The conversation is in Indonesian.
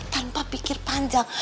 tanpa pikir panjang